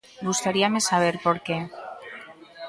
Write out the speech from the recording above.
Gustaríame saber por que.